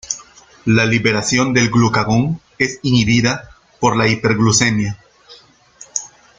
La liberación del glucagón es inhibida por la hiperglucemia.